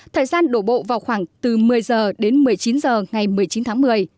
thời gian đổ bộ vào khoảng từ một mươi h đến một mươi chín h ngày một mươi chín tháng một mươi